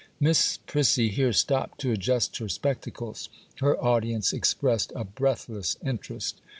Miss Prissy here stopped to adjust her spectacles. Her audience expressed a breathless interest.